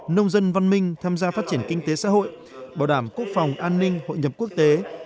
nông dân văn minh tham gia phát triển kinh tế xã hội bảo đảm quốc phòng an ninh hội nhập quốc tế